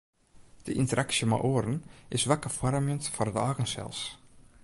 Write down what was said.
De ynteraksje mei oaren is wakker foarmjend foar it eigen sels.